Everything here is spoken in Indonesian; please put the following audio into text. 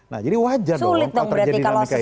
nah jadi wajar dong kalau terjadi dinamika ini